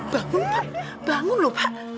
bangun pak bangun lho pak